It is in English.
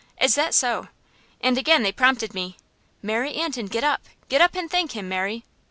"Is that so?" And again they prompted me: "Mary Antin, get up. Get up and thank him, Mary."